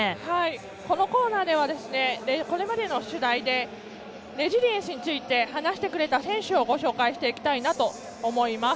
このコーナーではこれまでの取材でレジリエンスについて話してくれた選手をご紹介したいと思います。